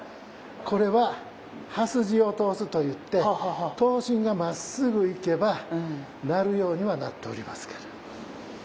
これは刃筋を通すと言って刀身がまっすぐ行けば鳴るようにはなっておりますけれども。